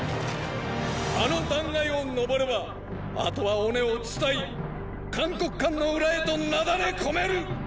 あの断崖を登ればあとは尾根を伝い函谷関の裏へとなだれ込める！